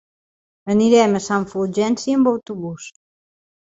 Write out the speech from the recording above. Anirem a Sant Fulgenci amb autobús.